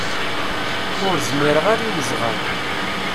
Ur zmireɣ ara i uzɣal.